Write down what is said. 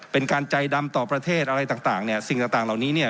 เป็นการใจดำต่อประเทศอะไรต่างสิ่งต่างเหล่านี้